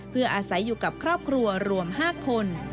เพื่ออาศัยอยู่กับครอบครัวรวม๕คน